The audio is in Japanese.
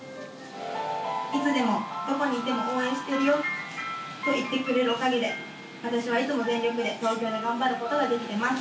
いつでもどこにいても応援してるよと言ってくれるおかげで私はいつも全力で東京で頑張ることができてます。